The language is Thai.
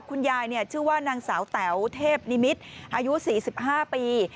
คุณยายชื่อว่านางสาวแต๋วเทพนิมิตรอายุ๔๕ปี